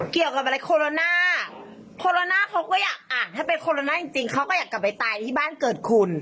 เกี่ยวกับอะไรโคโรนาโคโรน่าเขาก็อยากอ่านถ้าเป็นโคโรน่าจริงเขาก็อยากกลับไปตายที่บ้านเกิดคุณ